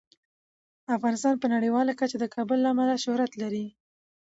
افغانستان په نړیواله کچه د کابل له امله شهرت لري.